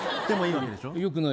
でもいいわけでしょ。